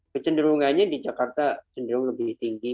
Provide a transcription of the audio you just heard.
kecenderungannya di jakarta cenderung lebih tinggi